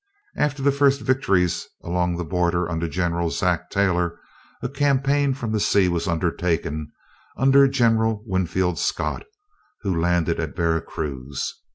After the first victories along the border under General Zach. Taylor, a campaign from the sea was undertaken, under General Winfield Scott, who landed at Vera Cruz.